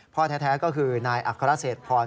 พ่อแท้ก็คือนายอัครเศษพร